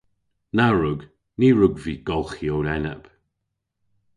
Na wrug. Ny wrug vy golghi ow enep.